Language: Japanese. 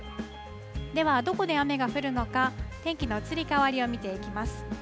では、どこで雨が降るのか天気の移り変わりを見ていきます。